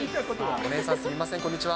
お姉さん、すみません、こんにちは。